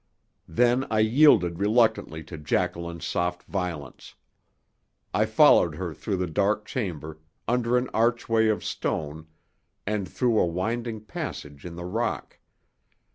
Then I yielded reluctantly to Jacqueline's soft violence. I followed her through the dark chamber, under an archway of stone, and through a winding passage in the rock.